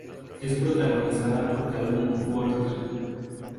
Es protagonizada por Calum Worthy.